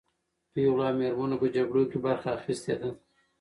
پېغلو او مېرمنو په جګړه کې برخه اخیستې ده.